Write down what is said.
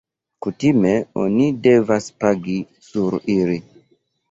Kutime oni devas pagi sur ili.